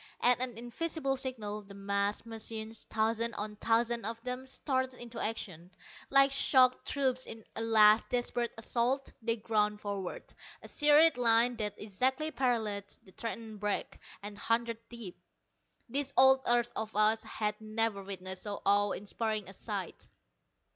At an invisible signal, the massed machines thousands on thousands of them started into action. Like shock troops in a last desperate assault they ground forward, a serried line that exactly paralleled the threatened break, and hundreds deep. This old earth of ours had never witnessed so awe inspiring a sight.